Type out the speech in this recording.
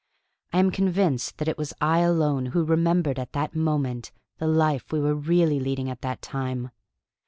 I am convinced that it was I alone who remembered at that moment the life we were really leading at that time.